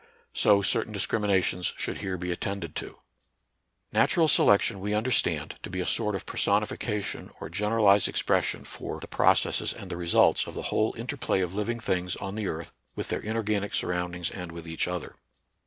So certain discriminations should here be attended to. Natural selection we understand to be a sort of personification or generalized expression for the processes and the results of the whole in terplay of living things on the earth with their inorganic surroundings and with each other.